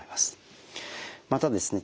またですね